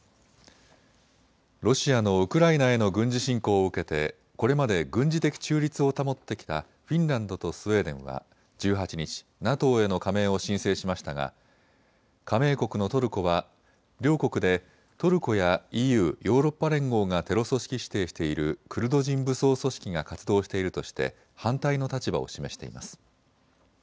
ロシアのウクライナへの軍事侵攻を受けてこれまで軍事的中立を保ってきたフィンランドとスウェーデンは１８日、ＮＡＴＯへの加盟を申請しましたが、加盟国のトルコは両国でトルコやＥＵ・ヨーロッパ連合がテロ組織指定しているクルド人武装組織が活動しているとして反対の立場を示しています。